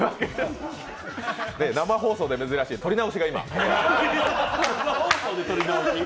生放送で珍しい撮り直しが今。